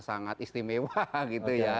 sangat istimewa gitu ya